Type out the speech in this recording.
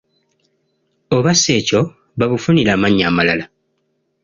Oba si ekyo, babufunire amannya amalala.